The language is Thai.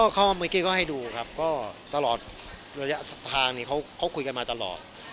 ก็เมื่อกี้ก็ให้ดูครับก็ตลอดระยะทางนี้เขาคุยกันมาตลอด